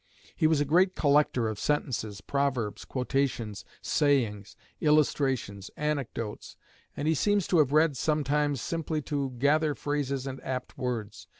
He was a great collector of sentences, proverbs, quotations, sayings, illustrations, anecdotes, and he seems to have read sometimes simply to gather phrases and apt words.